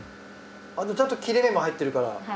ちゃんと切れ目も入ってるから。